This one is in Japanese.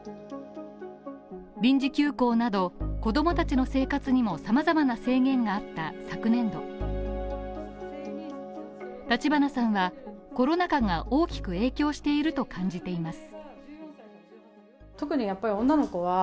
臨時休校など、子供たちの生活にも様々な制限があった昨年度橘さんはコロナ禍が大きく影響していると感じています。